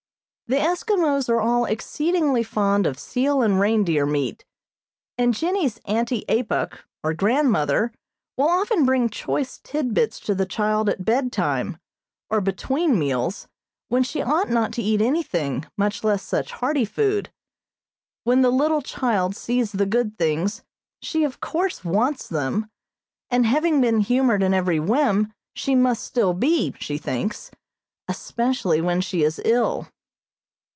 The Eskimos are all exceedingly fond of seal and reindeer meat, and Jennie's Auntie Apuk or grandmother will often bring choice tidbits to the child at bedtime, or between meals, when she ought not to eat anything, much less such hearty food. When the little child sees the good things, she, of course, wants them, and having been humored in every whim, she must still be, she thinks, especially when she is ill.